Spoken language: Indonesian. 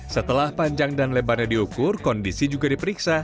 setelah panjang dan lebarnya diukur kondisi juga diperiksa